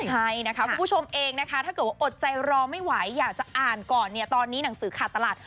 ใช่นะคะคุณผู้ชมเองนะคะถ้าเกิดว่าอดใจรอไม่ไหวอยากจะอ่านก่อนเนี่ยตอนนี้หนังสือขาดตลาด